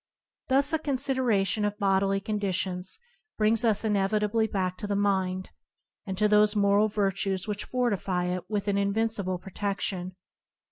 Thus a consideration of bodily conditions brings us inevitably back to the mind, and to those moral virtues which fortify it with an invincible protection.